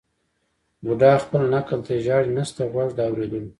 بوډا خپل نکل ته ژاړي نسته غوږ د اورېدلو